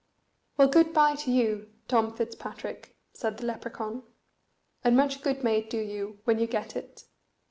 "Well, good bye to you Tom Fitzpatrick," said the Lepracaun; "and much good may it do you when you get it."